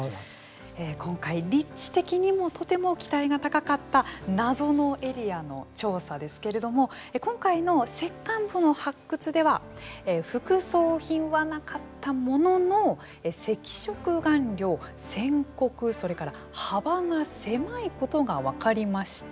今回、立地的にもとても期待が高かった謎のエリアの調査ですけれども今回の石棺墓の発掘では副葬品はなかったものの赤色顔料、線刻、それから幅が狭いことが分かりました。